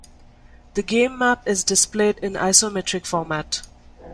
The game map is displayed in isometric format.